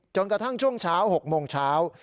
กระทั่งช่วงเช้า๖โมงเช้า